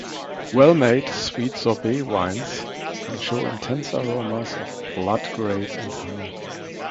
Well-made sweet Scheurebe wines can show intense aromas of blood grape and honey.